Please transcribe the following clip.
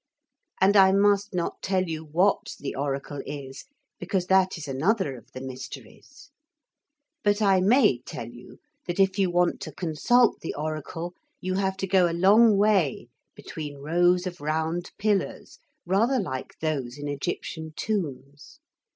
And I must not tell you what the oracle is because that is another of the mysteries. But I may tell you that if you want to consult the oracle you have to go a long way between rows of round pillars, rather like those in Egyptian tombs.